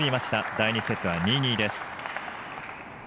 第２セットは２−２です。